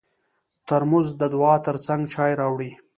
ترموز د دعا تر څنګ چای راوړي.